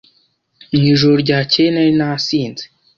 Mu ijoro ryakeye nari nasinze.